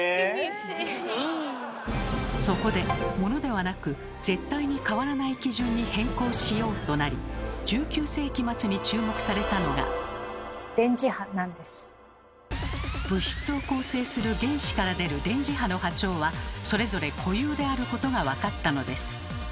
そこで物ではなく「絶対に変わらない基準に変更しよう」となり１９世紀末に注目されたのが物質を構成する原子から出る電磁波の波長はそれぞれ固有であることが分かったのです。